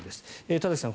田崎さん